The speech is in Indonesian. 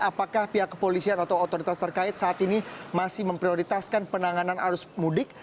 apakah pihak kepolisian atau otoritas terkait saat ini masih memprioritaskan penanganan arus mudik